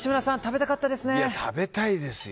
いや、食べたいですよ！